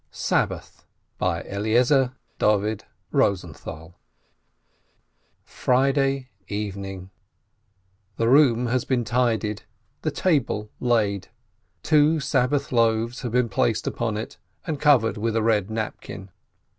SABBATH Friday evening ! The room has been tidied, the table laid. Two Sab bath loaves have been placed upon it, and covered with a red napkin.